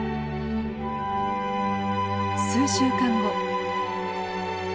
数週間後。